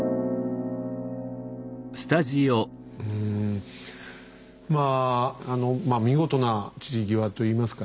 うんまああの見事な散り際といいますかね。